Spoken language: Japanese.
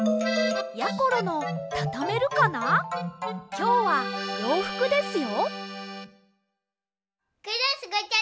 きょうはようふくですよ。